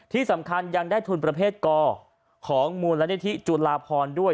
ที่สำคัญยังได้ทุนประเภทกของมูลนิธิจุลาพรด้วย